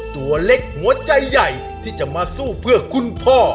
ตัวเล็กหัวใจใหญ่ที่จะมาสู้เพื่อคุณพ่อ